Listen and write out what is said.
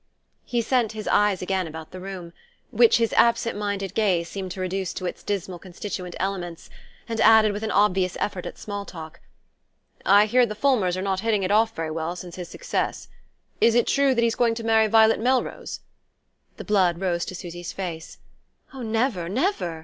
He sent his eyes again about the room, which his absent minded gaze seemed to reduce to its dismal constituent elements, and added, with an obvious effort at small talk: "I hear the Fulmers are not hitting it off very well since his success. Is it true that he's going to marry Violet Melrose?" The blood rose to Susy's face. "Oh, never, never!